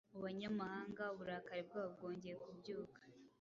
mu banyamahanga, uburakari bwabo bwongeye kubyuka.